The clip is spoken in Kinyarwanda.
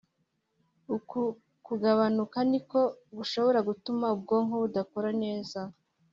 uku kugabanuka niko gushobora gutuma ubwonko budakora neza